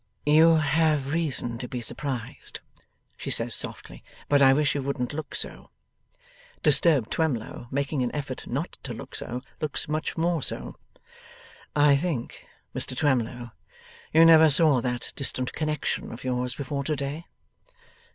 'You have reason to be surprised,' she says softly, 'but I wish you wouldn't look so.' Disturbed Twemlow, making an effort not to look so, looks much more so. 'I think, Mr Twemlow, you never saw that distant connexion of yours before to day?